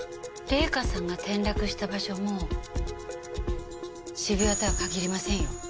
玲香さんが転落した場所も渋谷とは限りませんよ。